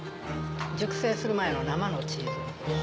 熟成する前の生のチーズ。